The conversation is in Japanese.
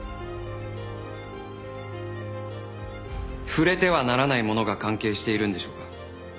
「触れてはならないもの」が関係しているんでしょうか？